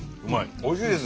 おいしいです。